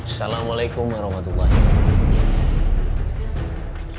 assalamualaikum warahmatullahi wabarakatuh